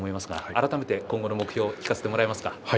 改めて今後の目標を聞かせてもらえますか？